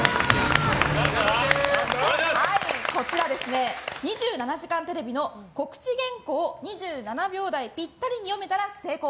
こちらは「２７時間テレビ」の告知原稿を２７秒台ピッタリに読めたら成功。